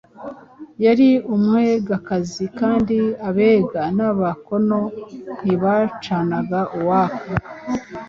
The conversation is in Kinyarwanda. yari Umwegakazi kandi Abega n’Abakono ntibacanaga uwaka.